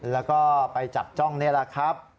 แล้วก็ไปจับจ้องนี่แหละครับ